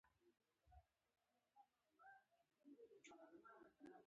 او یا هم پر ملنګانو او اولیاو کلکه عقیده ښکاره کړي.